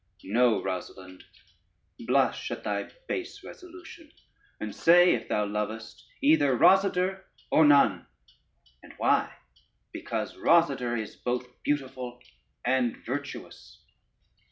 No, Rosalynde, blush at thy base resolution, and say, if thou lovest, 'either Rosader or none!' And why? because Rosader is both beautiful and virtuous."